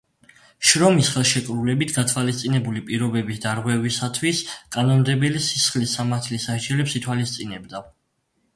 შრომის ხელშეკრულებით გათვალისწინებული პირობების დარღვევისათვის კანონმდებელი სისხლის სამართლის სასჯელებს ითვალისწინებდა.